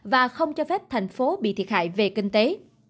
và không cho phép thành phố bị thiệt hại về kinh tế